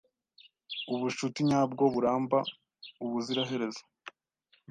Ubucuti nyabwo buramba ubuziraherezo.